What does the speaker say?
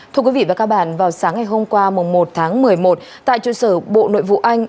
thưa quý vị và các bạn vào sáng ngày hôm qua một tháng một mươi một tại trụ sở bộ nội vụ anh